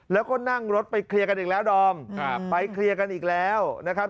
แล้วก็นั่งรถไปเคลียร์กันอีกแล้วดอมไปเคลียร์กันอีกแล้วนะครับ